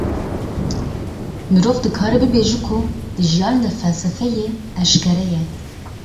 Mirov dikare bibêje ku di jiyanê de felsefeyê eşkere ye.